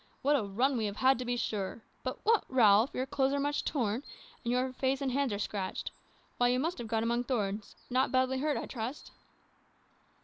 What a run we have had, to be sure! But, what, Ralph your clothes are much torn, and your face and hands are scratched. Why, you must have got among thorns. Not badly hurt, I trust?"